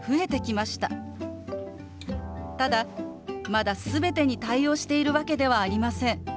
ただまだ全てに対応しているわけではありません。